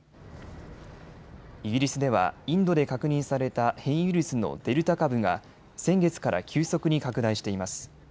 イギリスではインドで確認された変異ウイルスのデルタ株が先月から急速に拡大しています。